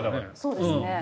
そうですね。